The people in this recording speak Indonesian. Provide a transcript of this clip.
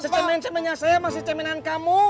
secemen cemennya saya masih cemenan kamu